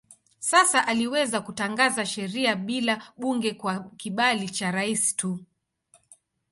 Sasa aliweza kutangaza sheria bila bunge kwa kibali cha rais tu.